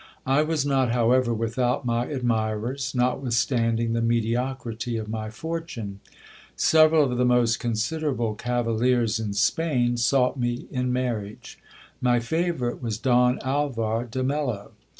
I was not, however, without my admirers, notwithstanding the mediocrity of my fortune. Several of the msiderable cavaliers in Spain sought me in marriage. My favourite was var de Mello.